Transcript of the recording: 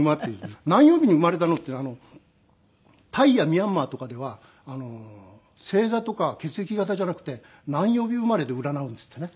『何曜日に生まれたの』っていうのはあのタイやミャンマーとかでは星座とか血液型じゃなくて何曜日生まれで占うんですってね。